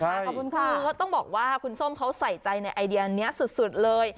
ขอบคุณค่ะต้องบอกว่าคุณส้มเขาใส่ใจในไอเดียนี้สุดเลย